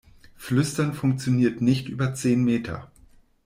Flüstern funktioniert nicht über zehn Meter.